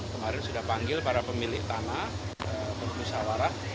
kemarin sudah panggil para pemilik tanah